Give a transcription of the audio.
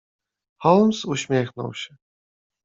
"Holmes uśmiechnął się."